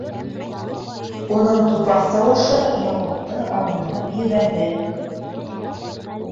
Уның тупаҫ тауышы Яҡупты айнытып ебәрҙе.